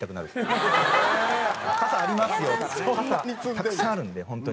たくさんあるんで本当に。